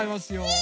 え！